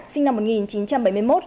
sinh năm một nghìn chín trăm bảy mươi một